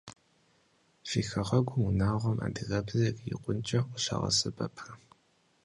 Фи хэгъуэгум унагъуэм адыгэбзэр ирикъункӏэ къыщагъэсэбэпрэ?